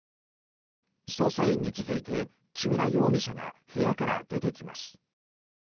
捜査員に続いて木村容疑者が部屋から出てきます。